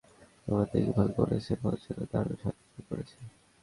Teenage বয়স থেকেই ক্লাবের সবাই আমার দেখভাল করেছে, পথচলায় দারুণ সাহায্য করেছে।